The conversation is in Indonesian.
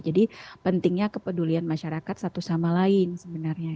jadi pentingnya kepedulian masyarakat satu sama lain sebenarnya